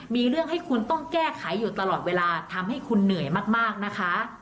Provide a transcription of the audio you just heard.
มีเรื่องให้คุณต้องแก้ไขอยู่ตลอดเวลาทำให้คุณเหนื่อยมากนะคะ